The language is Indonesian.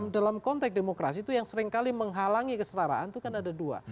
dalam konteks demokrasi itu yang seringkali menghalangi kesetaraan itu kan ada dua